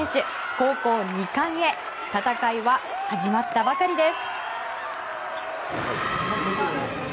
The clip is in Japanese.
高校２冠へ戦いは始まったばかりです。